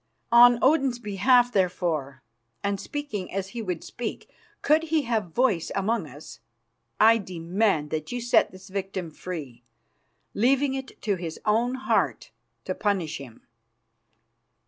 On Odin's behalf, therefore, and speaking as he would speak, could he have voice among us, I demand that you set this victim free, leaving it to his own heart to punish him."